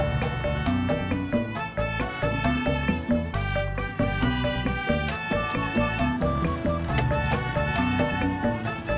gak ada de